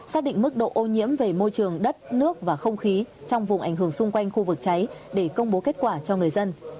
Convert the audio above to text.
xác định mức độ ô nhiễm về môi trường đất nước và không khí trong vùng ảnh hưởng xung quanh khu vực cháy để công bố kết quả cho người dân